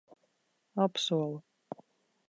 Apsolu.